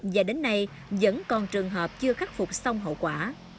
và đến nay vẫn còn trường hợp chưa khắc phục xong hậu quả